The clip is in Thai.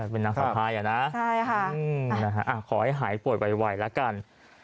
เป็นน้ำขาวไพรอะนะขอให้หายปวดไวแล้วกัน